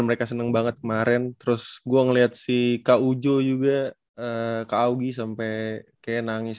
mereka seneng banget kemarin terus gua ngelihat sih kak ujo juga kak augie sampai kayak nangis